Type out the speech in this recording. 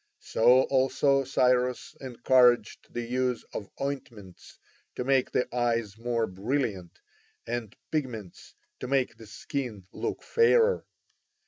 So also Cyrus encouraged the use of ointments to make the eyes more brilliant and pigments to make the skin look fairer.